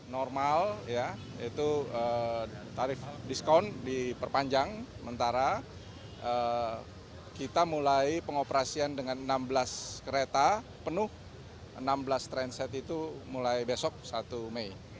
normal ya itu tarif diskon diperpanjang sementara kita mulai pengoperasian dengan enam belas kereta penuh enam belas transit itu mulai besok satu mei